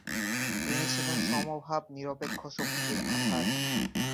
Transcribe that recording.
তিনি ছিলেন সমভাব নিরপেক্ষ শক্তির আধার।